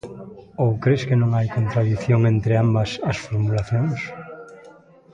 Ou cres que non hai contradición entre ambas as formulacións?